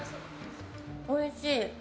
おいしい。